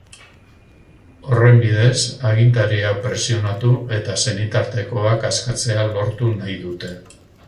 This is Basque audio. Horren bidez, agintariak presionatu eta senitartekoak askatzea lortu nahi dute.